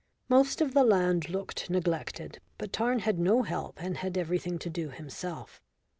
Most of the land looked neglected; but Tarn had no help and had everything to do himself.